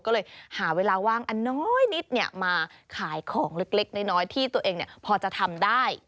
ก็เลยหาเวลาว่างอันน้อยนิดมาขายของเล็กน้อยที่ตัวเองพอจะทำได้